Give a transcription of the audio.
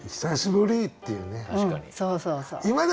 「久しぶり！」っていうね。